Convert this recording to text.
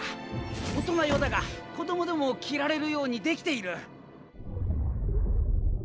大人用だが子供でも着られるようにできている。